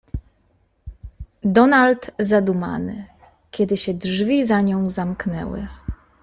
"Donald, zadumany, kiedy się drzwi za nią zamknęły."